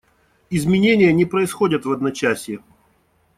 Изменения не происходят в одночасье.